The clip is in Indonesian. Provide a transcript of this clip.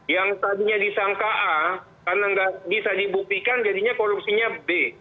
yang tadinya disangka a karena nggak bisa dibuktikan jadinya korupsinya b